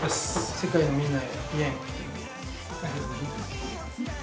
世界のみんなへ「ぴえん」。